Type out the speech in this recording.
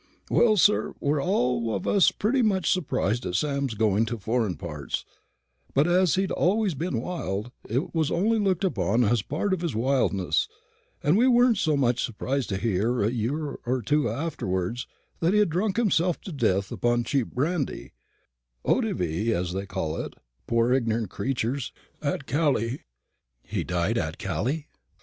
Well, sir, we were all of us very much surprised at Sam's going to foreign parts; but as he'd always been wild, it was only looked upon as a part of his wildness, and we weren't so much surprised to hear a year or two afterwards that he'd drunk himself to death upon cheap brandy odyvee as they call it, poor ignorant creatures at Calais." "He died at Calais?"